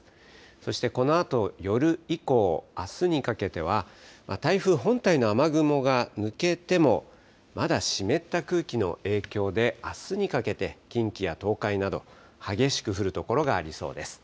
そしてこのあと夜以降、あすにかけては、台風本体の雨雲が抜けても、まだ湿った空気の影響で、あすにかけて近畿や東海など激しく降る所がありそうです。